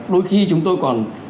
đôi khi chúng tôi còn